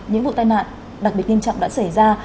những vụ tai nạn đặc biệt nghiêm trọng đã xảy ra